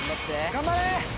頑張れ！